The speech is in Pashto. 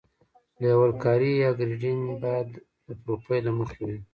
لیول کاري یا ګریډینګ باید د پروفیل له مخې وي